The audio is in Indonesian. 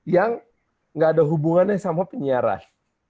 yang gak ada hubungannya sama penyiaran